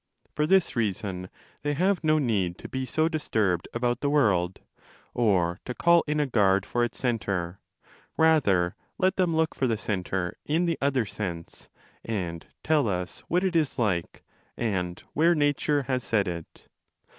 For this reason they have no need to be so disturbed about the world, or to 10 call in a guard for its centre: rather let them look for the centre in the other sense and tell us, what it is like and where nature has set it.